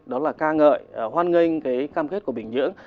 đó là ca ngợi hoan nghênh cái cam kết của bình nhưỡng